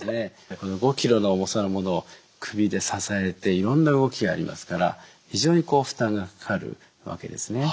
５ｋｇの重さのものを首で支えていろんな動きがありますから非常に負担がかかるわけですね。